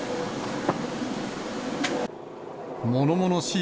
ものものしい